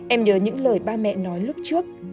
em nhớ những lời ba mẹ nói lúc trước